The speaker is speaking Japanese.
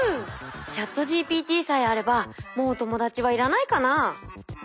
ＣｈａｔＧＰＴさえあればもう友達は要らないかな？